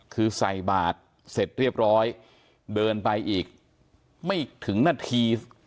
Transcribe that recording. คือใส่บาทเสร็จเรียบร้อยเดินไปอีกไม่ถึงนาที